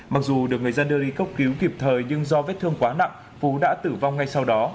mặc dù được người dân đưa đi cấp cứu kịp thời nhưng do vết thương quá nặng phú đã tử vong ngay sau đó